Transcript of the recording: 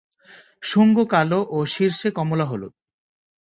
শুঙ্গ কালো ও শীর্ষে কমলা-হলুদ।